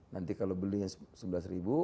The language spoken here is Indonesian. nanti kalau belinya rp sebelas